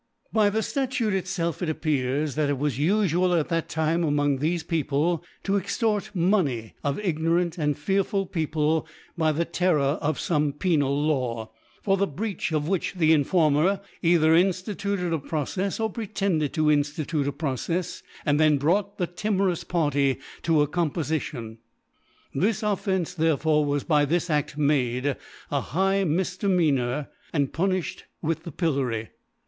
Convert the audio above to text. By the Statute itfelf it appears, that it was ufual at that Time among thefe Perfons to extort Money of ignorant and fearful Peo ple by the Terror of fome penal Law , for the Breach of which the Informer cither inftiCuted a Procefs, or pretended to infti tute a Procefs, and then brought the timo rous Party to a Compofition. • Cbap. 5. t 3 Inft. c. 87. This mm (i6i) This Offence therefore was by this Aft liiade a high Mifdemeanor, and punifhed with the Pillory.